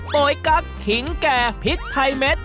ยกั๊กถิงแก่พริกไทยเม็ด